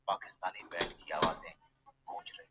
زه به در رسېږم .